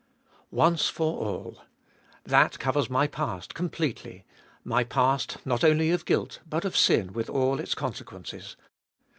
2. Once for alL That covers my past completely— my past not only of guilt, but of sin with all its consequences.